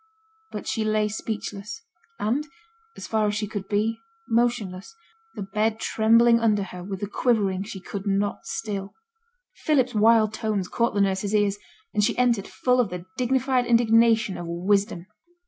But she lay speechless, and, as far as she could be, motionless, the bed trembling under her with the quivering she could not still. Philip's wild tones caught the nurse's ears, and she entered full of the dignified indignation of wisdom.